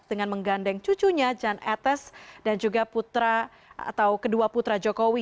dengan menggandeng cucunya jan etes dan juga putra atau kedua putra jokowi